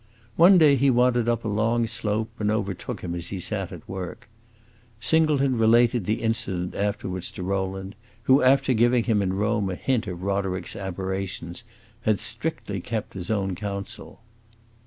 One day he wandered up a long slope and overtook him as he sat at work; Singleton related the incident afterwards to Rowland, who, after giving him in Rome a hint of Roderick's aberrations, had strictly kept his own counsel.